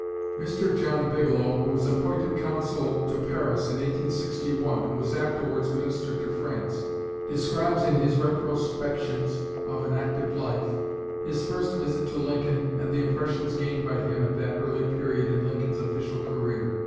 Mr. John Bigelow, who was appointed consul to Paris in 1861, and was afterwards minister to France, describes in his "Retrospections of an Active Life" his first visit to Lincoln and the impressions gained by him at that early period in Lincoln's official career.